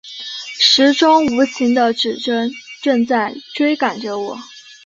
时钟无情的指针正在追赶着我